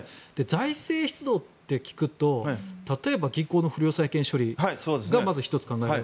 財政出動って聞くと例えば、銀行の不良債権処理が１つ考えられる。